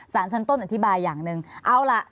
ภารกิจสรรค์ภารกิจสรรค์